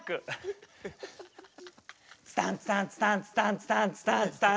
ツタンツタンツタンツタンツタンツタン。